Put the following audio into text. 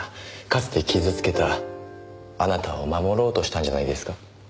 かつて傷つけたあなたを守ろうとしたんじゃないですか？